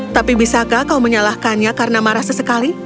tapi bisakah kau menyalahkannya karena marah sesekali